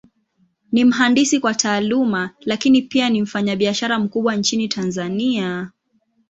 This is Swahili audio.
Ni mhandisi kwa Taaluma, Lakini pia ni mfanyabiashara mkubwa Nchini Tanzania.